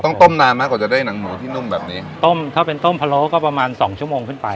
ต้มนานมากกว่าจะได้หนังหมูที่นุ่มแบบนี้ต้มถ้าเป็นต้มพะโล้ก็ประมาณสองชั่วโมงขึ้นไป